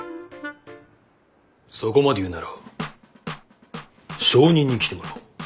そこまで言うなら証人に来てもらおう。